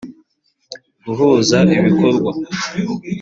guhuza ibikorwa